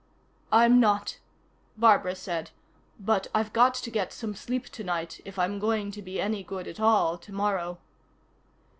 "I'm not," Barbara said. "But I've got to get some sleep tonight, if I'm going to be any good at all tomorrow."